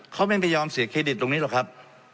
เขาไม่ไม่ยอมเสียเครดิตตรงนี้หรอกครับ